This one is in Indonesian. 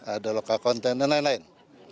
ada loka konten dan lain lain